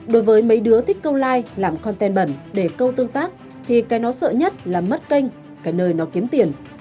đối với mấy đứa thích câu like làm con tên bẩn để câu tương tác thì cái nó sợ nhất là mất kênh cái nơi nó kiếm tiền